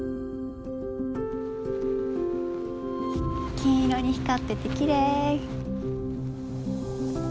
金色に光っててきれい。